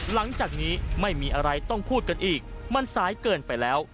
หลังจากนี้ไม่มีอะไรต้องพูดกันอีกมันสายเกินไปแล้ว